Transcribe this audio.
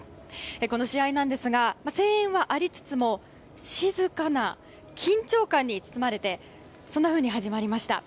この試合ですが声援はありつつも静かな緊張感に包まれて始まりました。